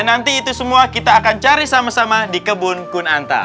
nah kita akan cari sama sama di kebun kunatta